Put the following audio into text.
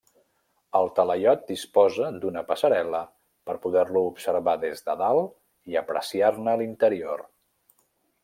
El talaiot disposa d'una passarel·la per poder-lo observar des de dalt i apreciar-ne l'interior.